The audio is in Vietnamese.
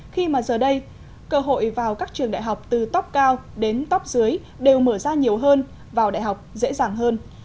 khi mà giờ đây cơ hội vào các trường đại học từ top cao đến tóp dưới đều mở ra nhiều hơn vào đại học dễ dàng hơn